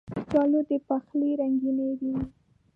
کچالو د پخلي رنګیني ده